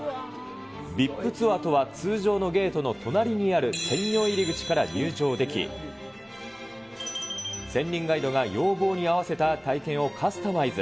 ＶＩＰツアーとは、通常のゲートの隣にあるいは専用入り口から入場でき、専任ガイドが要望に合わせた体験をカスタマイズ。